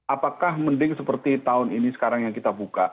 apakah mending seperti tahun ini sekarang yang kita buka